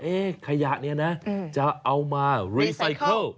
ขยะเนี่ยนะจะเอามารีไซเคิล